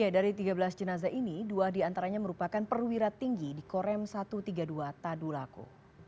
dari tiga belas jenazah ini dua diantaranya merupakan perwira tinggi di korem satu ratus tiga puluh dua tadulako